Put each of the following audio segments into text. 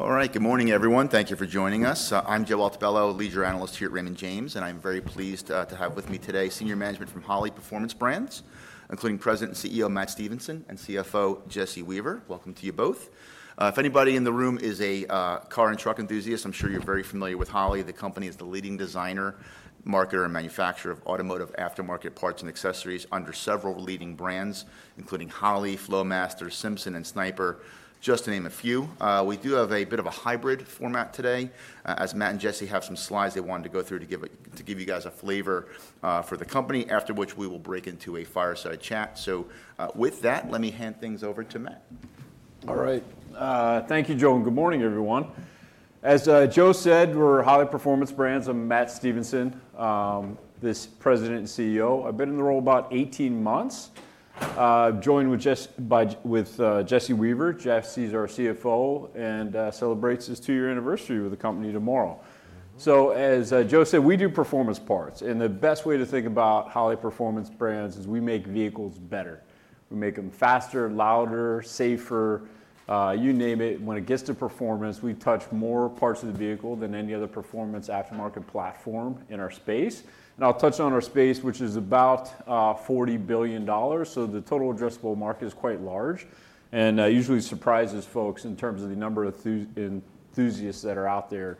All right, good morning, everyone. Thank you for joining us. I'm Joe Altobello, Lead Journalist here at Raymond James, and I'm very pleased to have with me today Senior Management from Holley Performance Brands, including President and CEO Matt Stevenson and CFO Jesse Weaver. Welcome to you both. If anybody in the room is a car and truck enthusiast, I'm sure you're very familiar with Holley. The company is the leading designer, marketer, and manufacturer of automotive aftermarket parts and accessories under several leading brands, including Holley, Flowmaster, Simpson, and Sniper, just to name a few. We do have a bit of a hybrid format today, as Matt and Jesse have some slides they wanted to go through to give you guys a flavor for the company, after which we will break into a fireside chat. So with that, let me hand things over to Matt. All right. Thank you, Joe, and good morning, everyone. As Joe said, we're Holley Performance Brands, I'm Matt Stevenson, the President and CEO. I've been in the role about 18 months, joined with Jesse Weaver. Jesse's our CFO and celebrates his two-year anniversary with the company tomorrow, so as Joe said, we do performance parts, and the best way to think about Holley Performance Brands is we make vehicles better. We make them faster, louder, safer, you name it. When it gets to performance, we touch more parts of the vehicle than any other performance aftermarket platform in our space, and I'll touch on our space, which is about $40 billion, so the total addressable market is quite large and usually surprises folks in terms of the number of enthusiasts that are out there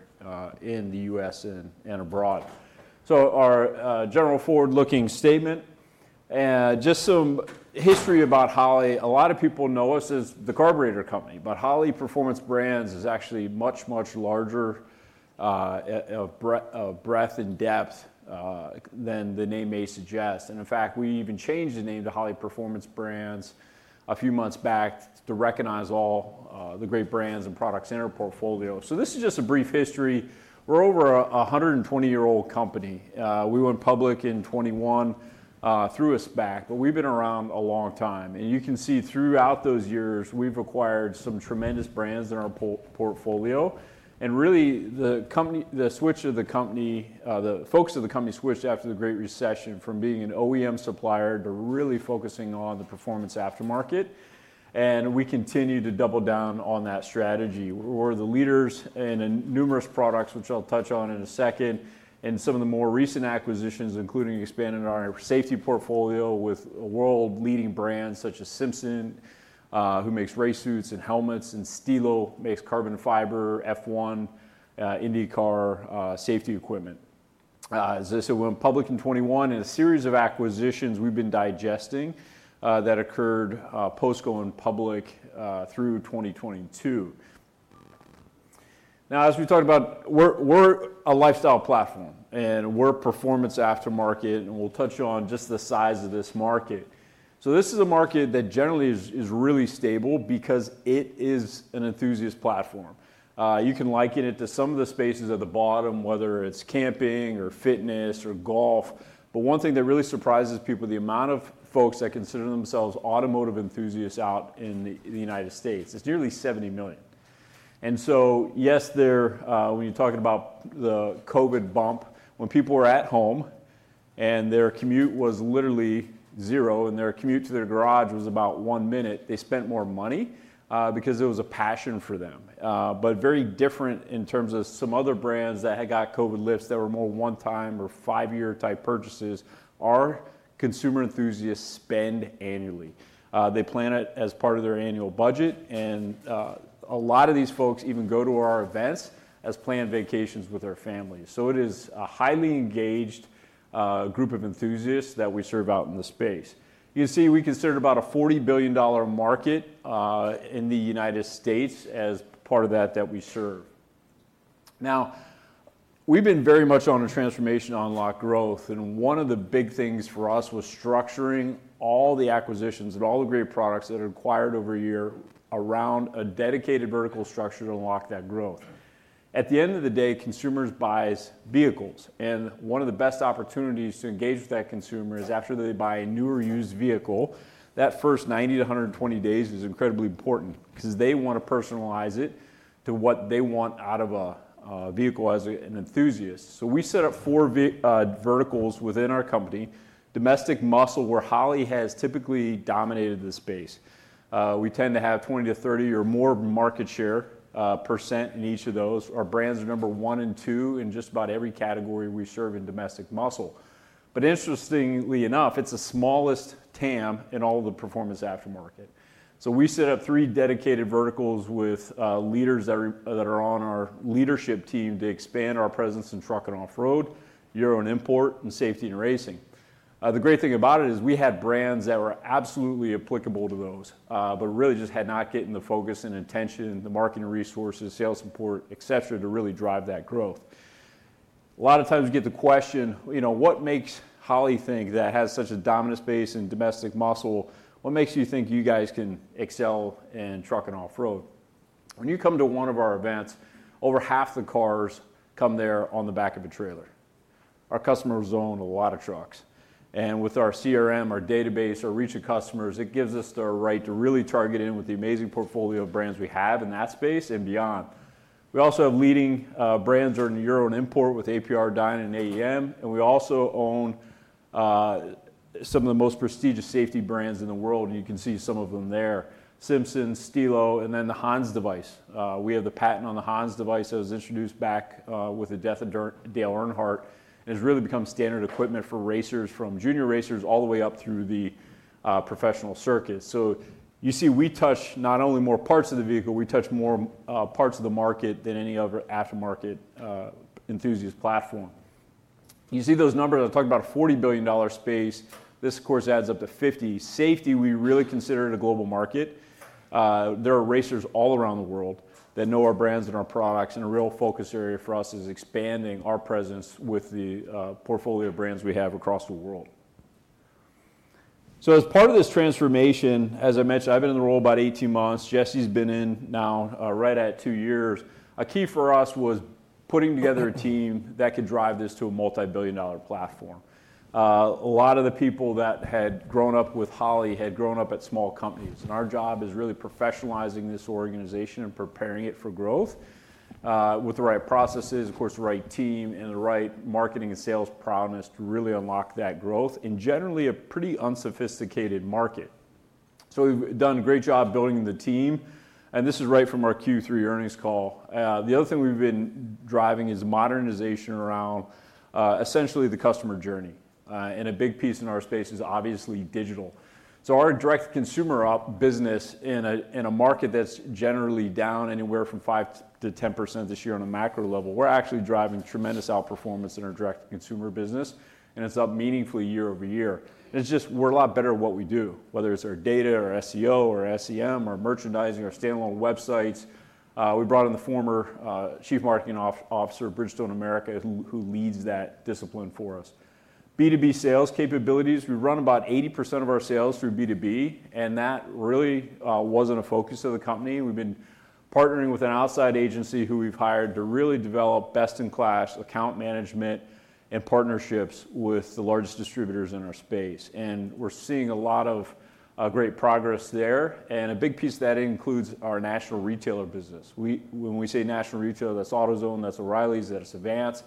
in the U.S. and abroad, so our general forward-looking statement, just some history about Holley. A lot of people know us as the carburetor company, but Holley Performance Brands is actually much, much larger of breadth and depth than the name may suggest, and in fact, we even changed the name to Holley Performance Brands a few months back to recognize all the great brands and products in our portfolio. So this is just a brief history. We're over a 120-year-old company. We went public in 2021, through SPAC, but we've been around a long time. And you can see throughout those years, we've acquired some tremendous brands in our portfolio, and really, the switch of the company, the folks of the company switched after the Great Recession from being an OEM supplier to really focusing on the performance aftermarket, and we continue to double down on that strategy. We're the leaders in numerous products, which I'll touch on in a second, and some of the more recent acquisitions, including expanding our safety portfolio with world-leading brands such as Simpson, who makes race suits and helmets, and Stilo makes carbon fiber F1 IndyCar safety equipment. As I said, we went public in 2021, and a series of acquisitions we've been digesting that occurred post-going public through 2022. Now, as we talked about, we're a lifestyle platform, and we're performance aftermarket, and we'll touch on just the size of this market. This is a market that generally is really stable because it is an enthusiast platform. You can liken it to some of the spaces at the bottom, whether it's camping or fitness or golf. But one thing that really surprises people: the amount of folks that consider themselves automotive enthusiasts out in the United States. It's nearly 70 million. And so yes, when you're talking about the COVID bump, when people were at home and their commute was literally zero and their commute to their garage was about one minute, they spent more money because it was a passion for them. But very different in terms of some other brands that had got COVID lifts that were more one-time or five-year type purchases, our consumer enthusiasts spend annually. They plan it as part of their annual budget. And a lot of these folks even go to our events as planned vacations with their families. So it is a highly engaged group of enthusiasts that we serve out in the space. You can see we considered about a $40 billion market in the United States as part of that that we serve. Now, we've been very much on a transformation to unlock growth. And one of the big things for us was structuring all the acquisitions and all the great products that are acquired over a year around a dedicated vertical structure to unlock that growth. At the end of the day, consumers buy vehicles. And one of the best opportunities to engage with that consumer is after they buy a new or used vehicle, that first 90 to 120 days is incredibly important because they want to personalize it to what they want out of a vehicle as an enthusiast. So we set up four verticals within our company, Domestic Muscle, where Holley has typically dominated the space. We tend to have 20-30% or more market share in each of those. Our brands are number one and two in just about every category we serve in Domestic Muscle. But interestingly enough, it's the smallest TAM in all the performance aftermarket. So we set up three dedicated verticals with leaders that are on our leadership team to expand our presence in Truck and Off-Road, Euro and Import, and Safety and Racing. The great thing about it is we had brands that were absolutely applicable to those, but really just had not gotten the focus and attention, the marketing resources, sales support, etc., to really drive that growth. A lot of times we get the question, you know, what makes Holley think that has such a dominant space in Domestic Muscle? What makes you think you guys can excel in Truck and Off-Road? When you come to one of our events, over half the cars come there on the back of a trailer. Our customers own a lot of trucks. And with our CRM, our database, our reach of customers, it gives us the right to really target in with the amazing portfolio of brands we have in that space and beyond. We also have leading brands in Euro and import with APR, Dinan, and AEM. And we also own some of the most prestigious safety brands in the world. And you can see some of them there: Simpson, Stilo, and then the HANS device. We have the patent on the HANS device that was introduced back with the death of Dale Earnhardt and has really become standard equipment for racers from junior racers all the way up through the professional circuits. So you see, we touch not only more parts of the vehicle, we touch more parts of the market than any other aftermarket enthusiast platform. You see those numbers, I'm talking about a $40 billion space. This, of course, adds up to 50. Safety, we really consider it a global market. There are racers all around the world that know our brands and our products. And a real focus area for us is expanding our presence with the portfolio of brands we have across the world. So as part of this transformation, as I mentioned, I've been in the role about 18 months. Jesse's been in now right at two years. A key for us was putting together a team that could drive this to a multi-billion-dollar platform. A lot of the people that had grown up with Holley had grown up at small companies. Our job is really professionalizing this organization and preparing it for growth with the right processes, of course, the right team, and the right marketing and sales prowess to really unlock that growth in generally a pretty unsophisticated market. We've done a great job building the team. This is right from our Q3 earnings call. The other thing we've been driving is modernization around essentially the customer journey. A big piece in our space is obviously digital. Our direct-to-consumer business in a market that's generally down anywhere from 5%-10% this year on a macro level, we're actually driving tremendous outperformance in our direct-to-consumer business. It's up meaningfully year-over-year. It's just we're a lot better at what we do, whether it's our data, our SEO, our SEM, our merchandising, our standalone websites. We brought in the former Chief Marketing Officer of Bridgestone Americas, who leads that discipline for us. B2B sales capabilities, we run about 80% of our sales through B2B. And that really wasn't a focus of the company. We've been partnering with an outside agency who we've hired to really develop best-in-class account management and partnerships with the largest distributors in our space. And we're seeing a lot of great progress there. And a big piece of that includes our national retailer business. When we say national retailer, that's AutoZone, that's O'Reilly's, that's Advance.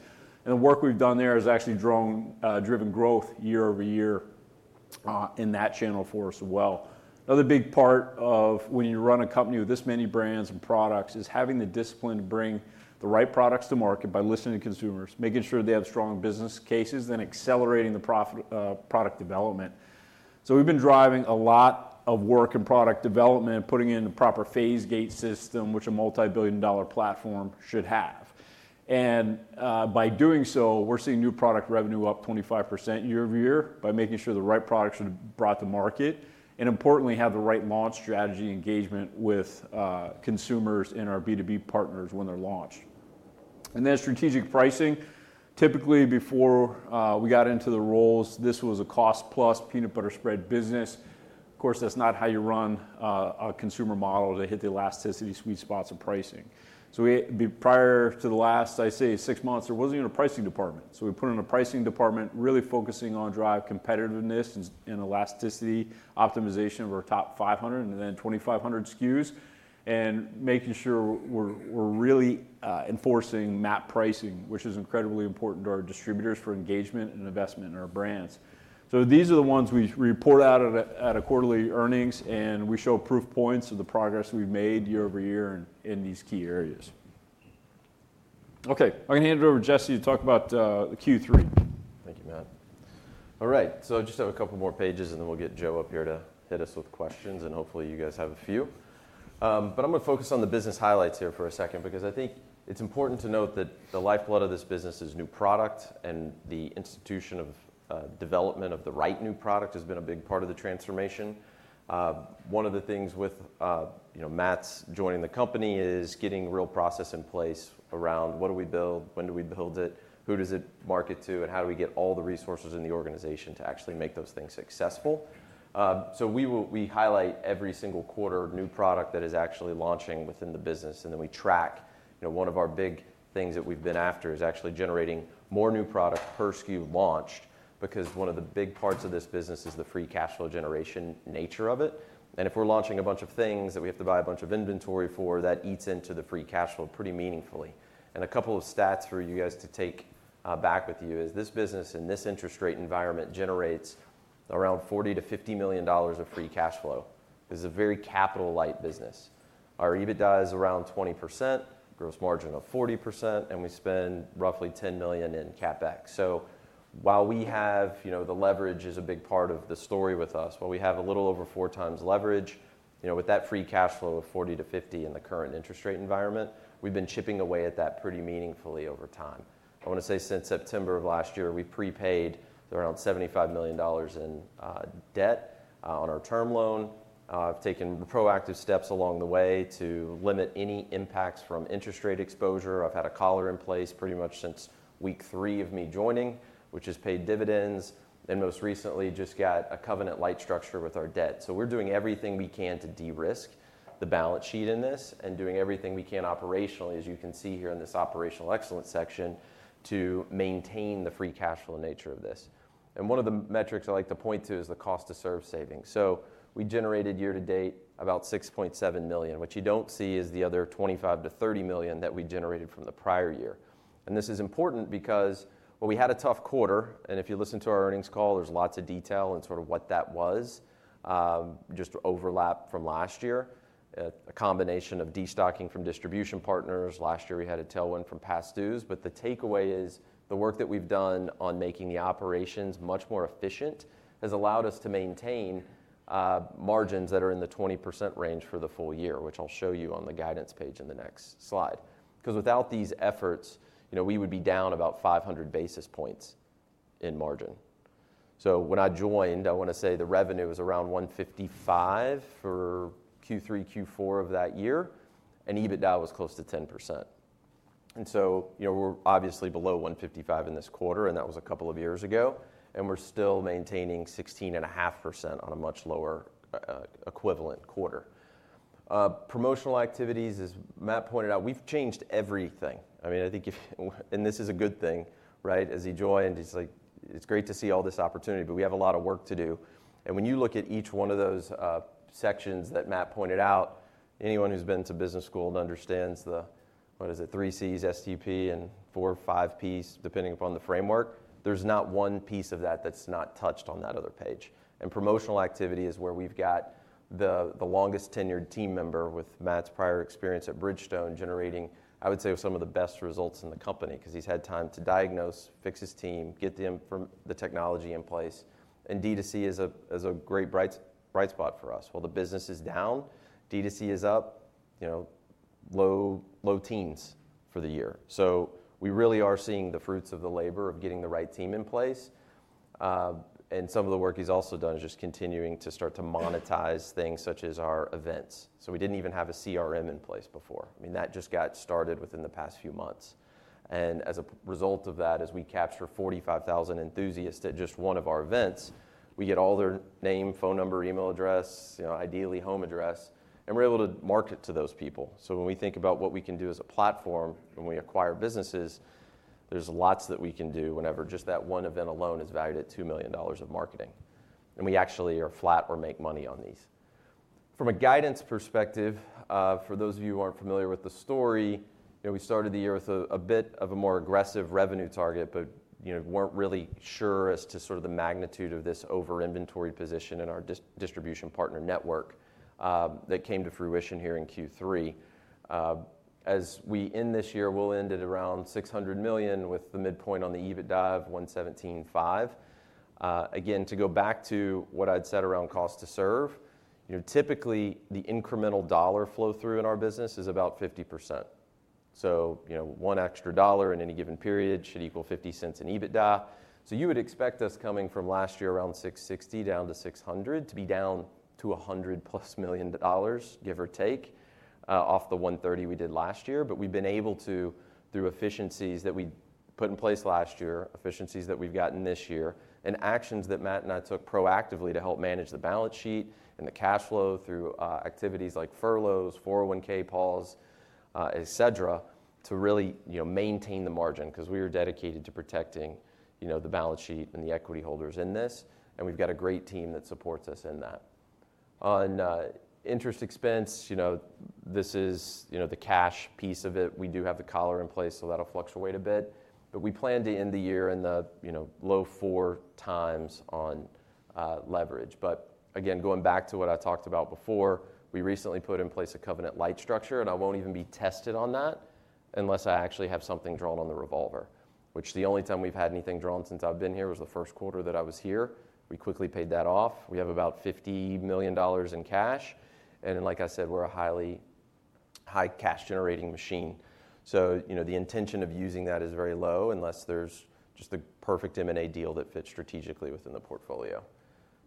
And the work we've done there has actually driven growth year-over-year in that channel for us as well. Another big part of when you run a company with this many brands and products is having the discipline to bring the right products to market by listening to consumers, making sure they have strong business cases, then accelerating the product development. So we've been driving a lot of work in product development, putting in the proper phase gate system, which a multi-billion dollar platform should have. And by doing so, we're seeing new product revenue up 25% year-over-year by making sure the right products are brought to market and, importantly, have the right launch strategy engagement with consumers and our B2B partners when they're launched. And then strategic pricing. Typically, before we got into the roles, this was a cost-plus peanut butter spread business. Of course, that's not how you run a consumer model to hit the elasticity, sweet spots, and pricing. Prior to the last, I'd say, six months, there wasn't even a pricing department. We put in a pricing department really focusing on drive competitiveness and elasticity optimization of our top 500 and then 2,500 SKUs and making sure we're really enforcing MAP pricing, which is incredibly important to our distributors for engagement and investment in our brands. These are the ones we report out at our quarterly earnings, and we show proof points of the progress we've made year-over-year in these key areas. Okay, I'm going to hand it over to Jesse to talk about Q3. Thank you, Matt. All right, so just have a couple more pages, and then we'll get Joe up here to hit us with questions, and hopefully, you guys have a few, but I'm going to focus on the business highlights here for a second because I think it's important to note that the lifeblood of this business is new product, and the institution of development of the right new product has been a big part of the transformation. One of the things with Matt's joining the company is getting real process in place around what do we build, when do we build it, who does it market to, and how do we get all the resources in the organization to actually make those things successful, so we highlight every single quarter new product that is actually launching within the business. And then we track one of our big things that we've been after is actually generating more new product per SKU launched because one of the big parts of this business is the free cash flow generation nature of it. And if we're launching a bunch of things that we have to buy a bunch of inventory for, that eats into the free cash flow pretty meaningfully. And a couple of stats for you guys to take back with you is this business in this interest rate environment generates around $40-$50 million of free cash flow. This is a very capital-light business. Our EBITDA is around 20%, gross margin of 40%, and we spend roughly $10 million in CapEx. While we have the leverage is a big part of the story with us, while we have a little over four times leverage, with that free cash flow of $40-$50 in the current interest rate environment, we've been chipping away at that pretty meaningfully over time. I want to say since September of last year, we've prepaid around $75 million in debt on our term loan. I've taken proactive steps along the way to limit any impacts from interest rate exposure. I've had a collar in place pretty much since week three of me joining, which has paid dividends, and most recently just got a covenant-lite structure with our debt. We're doing everything we can to de-risk the balance sheet in this and doing everything we can operationally, as you can see here in this operational excellence section, to maintain the free cash flow nature of this. One of the metrics I like to point to is the cost-to-serve savings. We generated year to date about $6.7 million, which you don't see is the other $25-$30 million that we generated from the prior year. This is important because we had a tough quarter. If you listen to our earnings call, there's lots of detail in sort of what that was, just overlap from last year, a combination of destocking from distribution partners. Last year, we had a tailwind from past dues. But the takeaway is the work that we've done on making the operations much more efficient has allowed us to maintain margins that are in the 20% range for the full year, which I'll show you on the guidance page in the next slide. Because without these efforts, we would be down about 500 basis points in margin. So when I joined, I want to say the revenue was around $155 for Q3, Q4 of that year. And EBITDA was close to 10%. And so we're obviously below $155 in this quarter, and that was a couple of years ago. And we're still maintaining 16.5% on a much lower equivalent quarter. Promotional activities, as Matt pointed out, we've changed everything. I mean, this is a good thing, right? As he joined, he's like, it's great to see all this opportunity, but we have a lot of work to do. And when you look at each one of those sections that Matt pointed out, anyone who's been to business school and understands the, what is it, three C's, STP, and four, five P's, depending upon the framework, there's not one piece of that that's not touched on that other page. And promotional activity is where we've got the longest tenured team member with Matt's prior experience at Bridgestone generating, I would say, some of the best results in the company because he's had time to diagnose, fix his team, get the technology in place. And D2C is a great bright spot for us. While the business is down, D2C is up, low teens for the year. So we really are seeing the fruits of the labor of getting the right team in place. And some of the work he's also done is just continuing to start to monetize things such as our events. So we didn't even have a CRM in place before. I mean, that just got started within the past few months. And as a result of that, as we capture 45,000 enthusiasts at just one of our events, we get all their name, phone number, email address, ideally home address, and we're able to market to those people. So when we think about what we can do as a platform when we acquire businesses, there's lots that we can do whenever just that one event alone is valued at $2 million of marketing. And we actually are flat or make money on these. From a guidance perspective, for those of you who aren't familiar with the story, we started the year with a bit of a more aggressive revenue target, but weren't really sure as to sort of the magnitude of this over-inventory position in our distribution partner network that came to fruition here in Q3. As we end this year, we'll end at around $600 million with the midpoint on the EBITDA of $117.5. Again, to go back to what I'd said around cost-to-serve, typically the incremental dollar flow-through in our business is about 50%. So one extra dollar in any given period should equal $0.50 in EBITDA. So you would expect us coming from last year around $660 down to $600 to be down to $100+ million dollars, give or take, off the $130 we did last year. But we've been able to, through efficiencies that we put in place last year, efficiencies that we've gotten this year, and actions that Matt and I took proactively to help manage the balance sheet and the cash flow through activities like furloughs, 401(k) calls, et cetera, to really maintain the margin because we are dedicated to protecting the balance sheet and the equity holders in this. And we've got a great team that supports us in that. On interest expense, this is the cash piece of it. We do have the collar in place, so that'll fluctuate a bit. But we plan to end the year in the low four times on leverage. But again, going back to what I talked about before, we recently put in place a covenant light structure, and I won't even be tested on that unless I actually have something drawn on the revolver, which the only time we've had anything drawn since I've been here was the first quarter that I was here. We quickly paid that off. We have about $50 million in cash. And like I said, we're a high cash-generating machine. So the intention of using that is very low unless there's just a perfect M&A deal that fits strategically within the portfolio.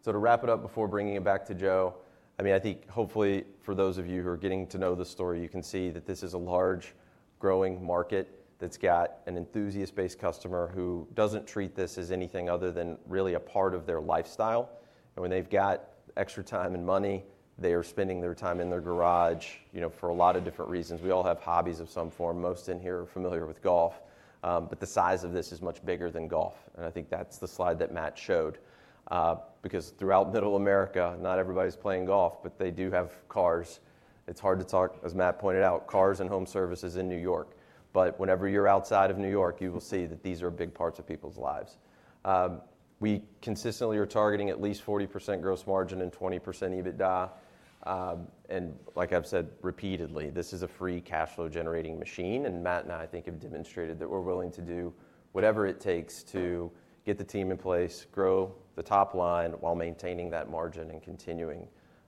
So to wrap it up before bringing it back to Joe, I mean, I think hopefully for those of you who are getting to know the story, you can see that this is a large growing market that's got an enthusiast-based customer who doesn't treat this as anything other than really a part of their lifestyle. And when they've got extra time and money, they are spending their time in their garage for a lot of different reasons. We all have hobbies of some form. Most in here are familiar with golf. But the size of this is much bigger than golf. And I think that's the slide that Matt showed because throughout middle America, not everybody's playing golf, but they do have cars. It's hard to talk, as Matt pointed out, cars and home services in New York. But whenever you're outside of New York, you will see that these are big parts of people's lives. We consistently are targeting at least 40% gross margin and 20% EBITDA. And like I've said repeatedly, this is a free cash flow generating machine. And Matt and I think have demonstrated that we're willing to do whatever it takes to get the team in place, grow the top line while maintaining that margin and continuing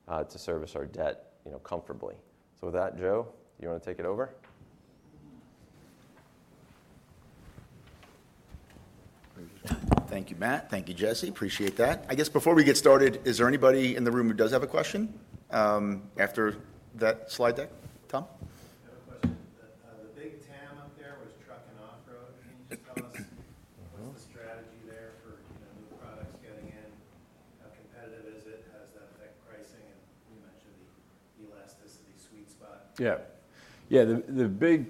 to service our debt comfortably. So with that, Joe, do you want to take it over? Thank you, Matt. Thank you, Jesse. Appreciate that. I guess before we get started, is there anybody in the room who does have a question after that slide deck? Tom? I have a question. The big TAM up there, where it's truck and off-road, can you just tell us what's the strategy there for new products getting in? How competitive is it? How does that affect pricing? And you mentioned the elasticity sweet spot. Yeah. Yeah, the big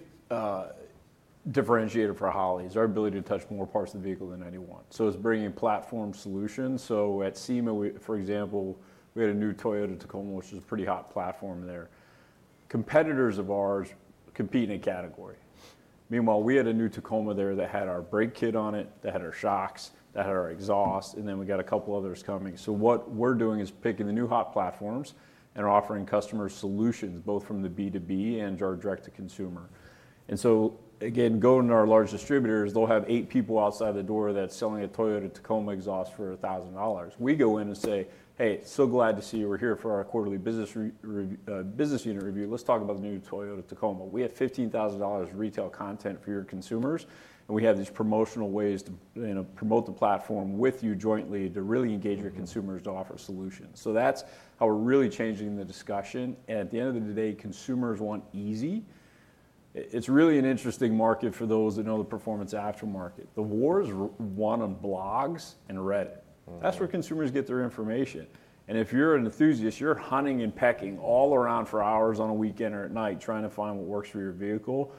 differentiator for Holley is our ability to touch more parts of the vehicle than any one. So it's bringing platform solutions. So at SEMA, for example, we had a new Toyota Tacoma, which is a pretty hot platform there. Competitors of ours compete in a category. Meanwhile, we had a new Tacoma there that had our brake kit on it, that had our shocks, that had our exhaust, and then we got a couple others coming. So what we're doing is picking the new hot platforms and offering customers solutions both from the B2B and our direct-to-consumer. And so again, going to our large distributors, they'll have eight people outside the door that's selling a Toyota Tacoma exhaust for $1,000. We go in and say, "Hey, so glad to see you. We're here for our quarterly business unit review. Let's talk about the new Toyota Tacoma. We have $15,000 retail content for your consumers, and we have these promotional ways to promote the platform with you jointly to really engage your consumers to offer solutions. So that's how we're really changing the discussion. And at the end of the day, consumers want easy. It's really an interesting market for those that know the performance aftermarket. The war's won on blogs and Reddit. That's where consumers get their information. And if you're an enthusiast, you're hunting and pecking all around for hours on a weekend or at night trying to find what works for your vehicle.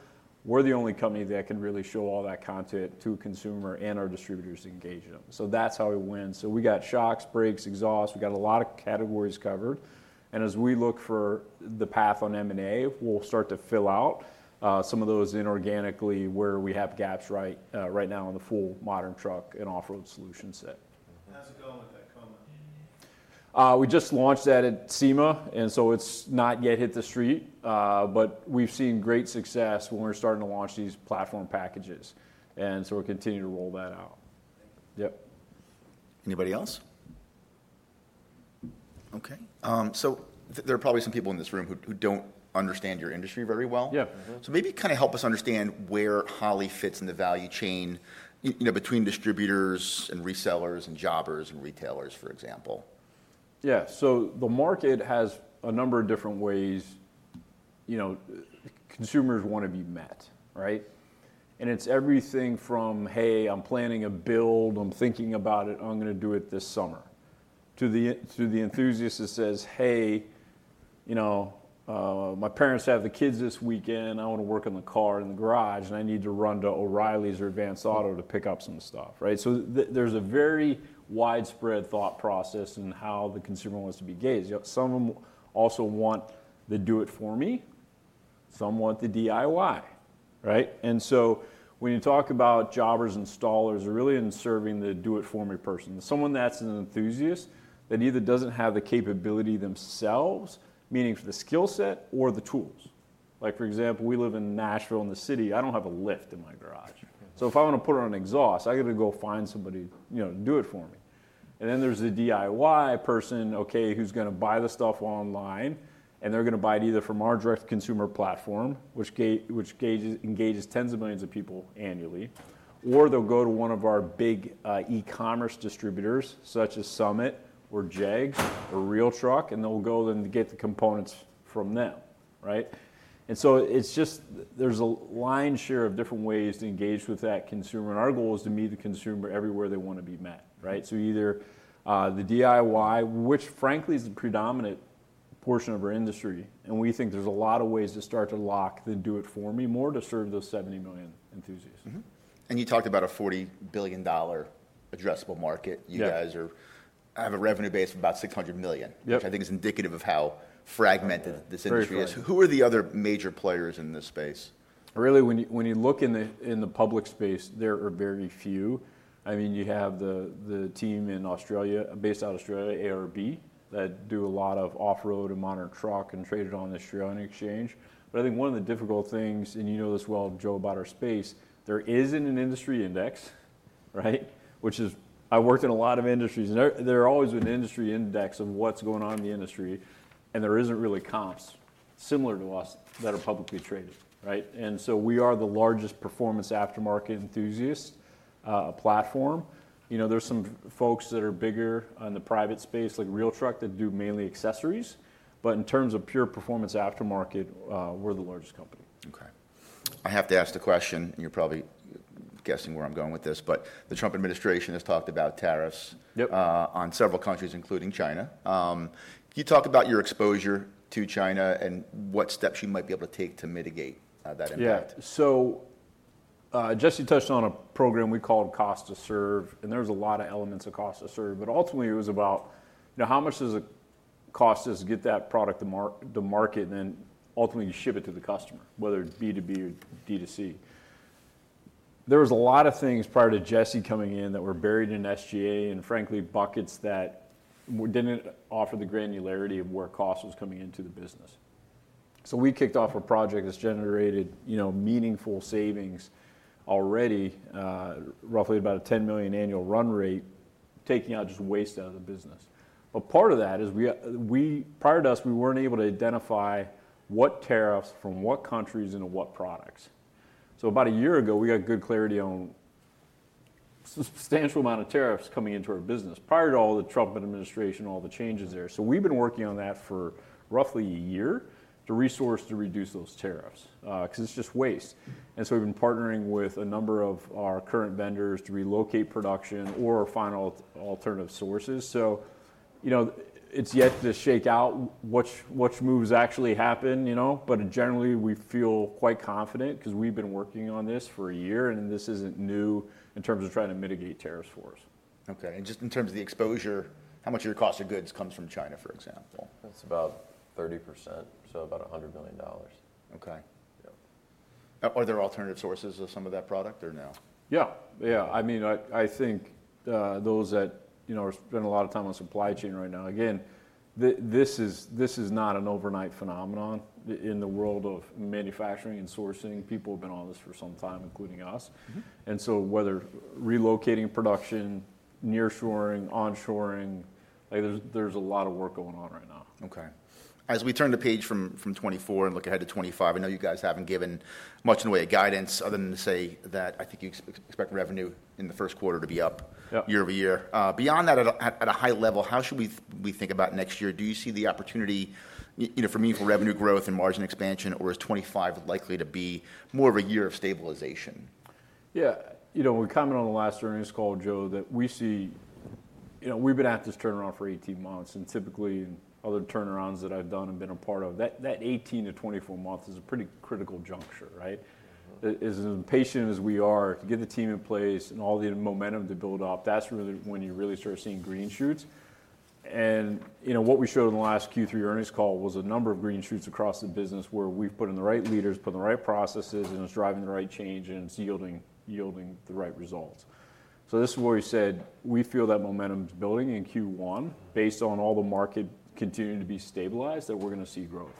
We're the only company that can really show all that content to a consumer and our distributors engage in them. So that's how we win. So we got shocks, brakes, exhaust. We got a lot of categories covered. As we look for the path on M&A, we'll start to fill out some of those inorganically where we have gaps right now on the full Modern Truck & Off-Road solution set. How's it going with that combo? We just launched that at SEMA, and so it's not yet hit the street, but we've seen great success when we're starting to launch these platform packages, and so we'll continue to roll that out. Thank you. Yep. Anybody else? Okay. So there are probably some people in this room who don't understand your industry very well. So maybe kind of help us understand where Holley fits in the value chain between distributors and resellers and jobbers and retailers, for example? Yeah. So the market has a number of different ways consumers want to be met, right? And it's everything from, "Hey, I'm planning a build. I'm thinking about it. I'm going to do it this summer," to the enthusiast that says, "Hey, my parents have the kids this weekend. I want to work on the car in the garage, and I need to run to O'Reilly's or Advance Auto to pick up some stuff," right? So there's a very widespread thought process in how the consumer wants to be catered. Some of them also want the do-it-for-me. Some want the DIY, right? And so when you talk about jobbers and installers, they're really serving the do-it-for-me person, someone that's an enthusiast that either doesn't have the capability themselves, meaning for the skill set or the tools. Like for example, we live in Nashville in the city. I don't have a lift in my garage. So if I want to put on an exhaust, I got to go find somebody to do it for me. And then there's the DIY person, okay, who's going to buy the stuff online, and they're going to buy it either from our direct-to-consumer platform, which engages tens of millions of people annually, or they'll go to one of our big e-commerce distributors such as Summit or JEGS or RealTruck, and they'll go and get the components from them, right? And so it's just, there's a lion's share of different ways to engage with that consumer. And our goal is to meet the consumer everywhere they want to be met, right? Either the DIY, which frankly is the predominant portion of our industry, and we think there's a lot of ways to start to lock the do-it-for-me more to serve those 70 million enthusiasts. You talked about a $40 billion addressable market. You guys have a revenue base of about $600 million, which I think is indicative of how fragmented this industry is. Who are the other major players in this space? Really, when you look in the public space, there are very few. I mean, you have the team based out of Australia, ARB, that do a lot of off-road and modern truck and traded on the Australian exchange. But I think one of the difficult things, and you know this well, Joe, about our space, there isn't an industry index, right? Which is I worked in a lot of industries, and there always been an industry index of what's going on in the industry, and there isn't really comps similar to us that are publicly traded, right? And so we are the largest performance aftermarket enthusiast platform. There's some folks that are bigger in the private space, like RealTruck, that do mainly accessories. But in terms of pure performance aftermarket, we're the largest company. Okay. I have to ask the question, and you're probably guessing where I'm going with this, but the Trump administration has talked about tariffs on several countries, including China. Can you talk about your exposure to China and what steps you might be able to take to mitigate that impact? Yeah. So Jesse touched on a program we called cost-to-serve, and there's a lot of elements of cost-to-serve. But ultimately, it was about how much does it cost us to get that product to market, and then ultimately you ship it to the customer, whether it's B2B or D2C. There was a lot of things prior to Jesse coming in that were buried in SG&A and frankly buckets that didn't offer the granularity of where cost was coming into the business. So we kicked off a project that's generated meaningful savings already, roughly about a $10 million annual run rate, taking out just waste out of the business. But part of that is prior to us, we weren't able to identify what tariffs from what countries into what products. So about a year ago, we got good clarity on a substantial amount of tariffs coming into our business prior to all the Trump administration, all the changes there. So we've been working on that for roughly a year to resource to reduce those tariffs because it's just waste. And so we've been partnering with a number of our current vendors to relocate production or find alternative sources. So it's yet to shake out which moves actually happen. But generally, we feel quite confident because we've been working on this for a year, and this isn't new in terms of trying to mitigate tariffs for us. Okay. And just in terms of the exposure, how much of your cost of goods comes from China, for example? That's about 30%, so about $100 million. Okay. Are there alternative sources of some of that product or no? Yeah. Yeah. I mean, I think those that are spending a lot of time on supply chain right now, again, this is not an overnight phenomenon in the world of manufacturing and sourcing. People have been on this for some time, including us. And so whether relocating production, nearshoring, onshoring, there's a lot of work going on right now. Okay. As we turn the page from 2024 and look ahead to 2025, I know you guys haven't given much in the way of guidance other than to say that I think you expect revenue in the first quarter to be up year-over-year. Beyond that, at a high level, how should we think about next year? Do you see the opportunity for meaningful revenue growth and margin expansion, or is 2025 likely to be more of a year of stabilization? Yeah. We're coming on the last earnings call, Joe, that we see we've been at this turnaround for 18 months, and typically in other turnarounds that I've done and been a part of, that 18 to 24 months is a pretty critical juncture, right? As impatient as we are to get the team in place and all the momentum to build up, that's really when you really start seeing green shoots. And what we showed in the last Q3 earnings call was a number of green shoots across the business where we've put in the right leaders, put in the right processes, and it's driving the right change and it's yielding the right results. So this is where we said we feel that momentum is building in Q1 based on all the market continuing to be stabilized that we're going to see growth.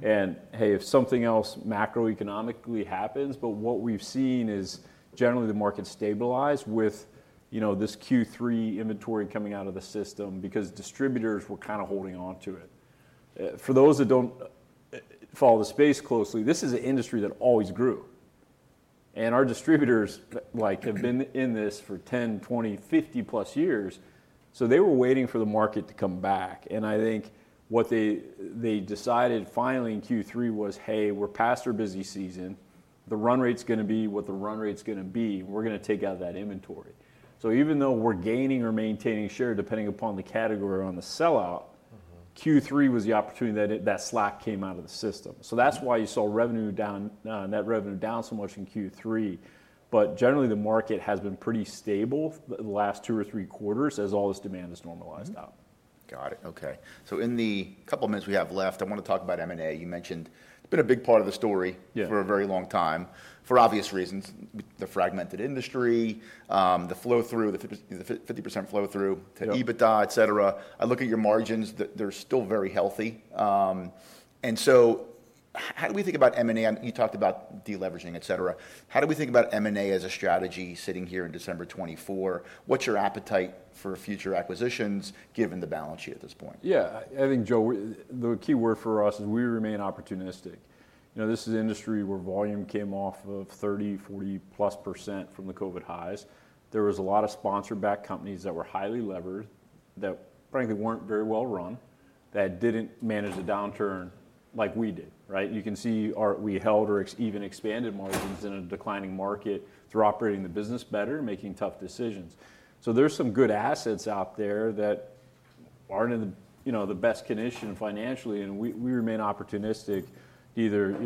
Hey, if something else macroeconomically happens, but what we've seen is generally the market stabilized with this Q3 inventory coming out of the system because distributors were kind of holding on to it. For those that don't follow the space closely, this is an industry that always grew. Our distributors have been in this for 10, 20, 50+ years. So they were waiting for the market to come back. I think what they decided finally in Q3 was, "Hey, we're past our busy season. The run rate's going to be what the run rate's going to be. We're going to take out of that inventory." Even though we're gaining or maintaining share depending upon the category or on the sellout, Q3 was the opportunity that slack came out of the system. That's why you saw net revenue down so much in Q3. But generally, the market has been pretty stable the last two or three quarters as all this demand has normalized out. Got it. Okay. So in the couple of minutes we have left, I want to talk about M&A. You mentioned it's been a big part of the story for a very long time for obvious reasons: the fragmented industry, the flow-through, the 50% flow-through to EBITDA, etc. I look at your margins. They're still very healthy. And so how do we think about M&A? You talked about deleveraging, etc. How do we think about M&A as a strategy sitting here in December 2024? What's your appetite for future acquisitions given the balance sheet at this point? Yeah. I think, Joe, the key word for us is we remain opportunistic. This is an industry where volume came off of 30%-40+% from the COVID highs. There was a lot of sponsor-backed companies that were highly levered that frankly weren't very well run, that didn't manage the downturn like we did, right? You can see we held or even expanded margins in a declining market through operating the business better, making tough decisions. So there's some good assets out there that aren't in the best condition financially, and we remain opportunistic to either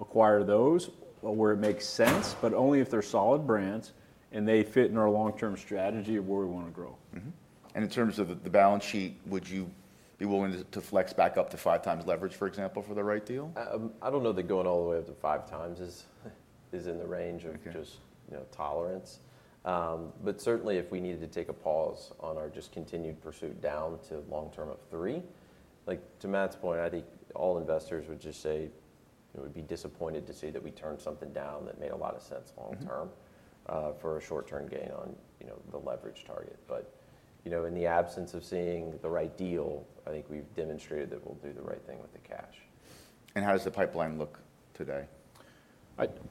acquire those where it makes sense, but only if they're solid brands and they fit in our long-term strategy of where we want to grow. In terms of the balance sheet, would you be willing to flex back up to five times leverage, for example, for the right deal? I don't know that going all the way up to five times is in the range of just tolerance. But certainly, if we needed to take a pause on our just continued pursuit down to long-term of three, like to Matt's point, I think all investors would just say it would be disappointed to see that we turned something down that made a lot of sense long-term for a short-term gain on the leverage target. But in the absence of seeing the right deal, I think we've demonstrated that we'll do the right thing with the cash. How does the pipeline look today?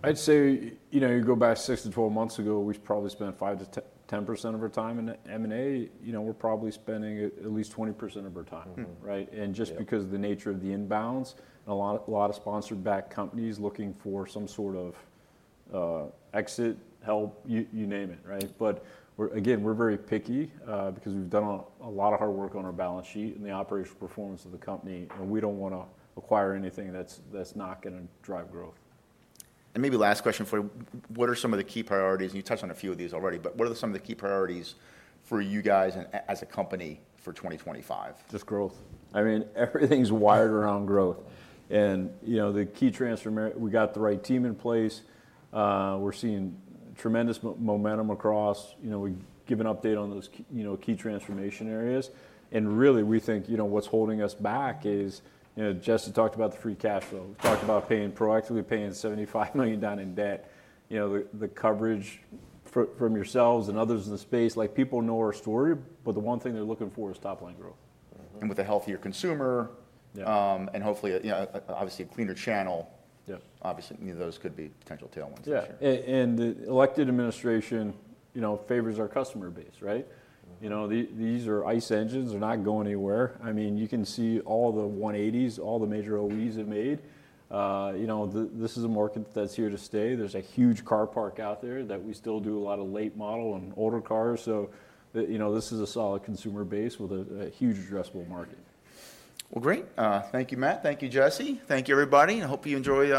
I'd say you go back six to 12 months ago, we probably spent 5%-10% of our time in M&A. We're probably spending at least 20% of our time, right? And just because of the nature of the imbalance, a lot of sponsor-backed companies looking for some sort of exit help, you name it, right? But again, we're very picky because we've done a lot of hard work on our balance sheet and the operational performance of the company, and we don't want to acquire anything that's not going to drive growth. Maybe last question for you, what are some of the key priorities? You touched on a few of these already, but what are some of the key priorities for you guys as a company for 2025? Just growth. I mean, everything's wired around growth. The key transformation, we got the right team in place. We're seeing tremendous momentum across. We give an update on those key transformation areas. Really, we think what's holding us back is Jesse talked about the free cash flow. We talked about proactively paying $75 million down in debt. The coverage from yourselves and others in the space, like people know our story, but the one thing they're looking for is top-line growth. With a healthier consumer and hopefully, obviously, a cleaner channel, obviously, those could be potential tailwinds this year. Yeah, and the elected administration favors our customer base, right? These are ICE engines. They're not going anywhere. I mean, you can see all the 180s, all the major OEs have made. This is a market that's here to stay. There's a huge car park out there that we still do a lot of late model and older cars. So this is a solid consumer base with a huge addressable market. Great. Thank you, Matt. Thank you, Jesse. Thank you, everybody. I hope you enjoy.